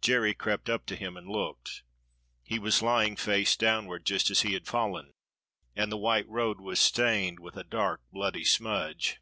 Jerry crept up to him and looked. He was lying face downward, just as he had fallen, and the white road was stained with a dark bloody smudge.